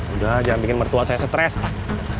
udah jangan bikin mertua saya stress pak